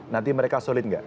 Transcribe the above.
nanti mereka sulit nggak